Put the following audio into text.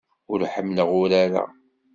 Ur ḥemmleɣ urar-a.